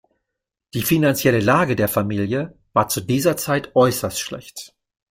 Die finanzielle Lage der Familie war zu dieser Zeit äußerst schlecht.